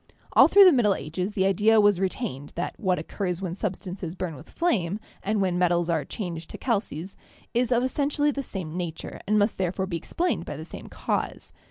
All through the Middle Ages the idea was re tained that what occurs when substances burn with flame, and when metals are changed to calces, is of essentially the same nature and must therefore be explained by the same cause.